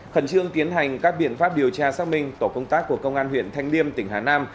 khẩn trương tiến hành các biện pháp điều tra xác minh tổ công tác của công an huyện thanh liêm tỉnh hà nam